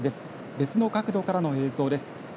別の角度からの映像です。